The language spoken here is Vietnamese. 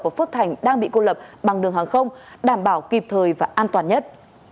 của phước thành đang bị cô lập bằng đường hàng không đảm bảo kịp thời và an toàn nhất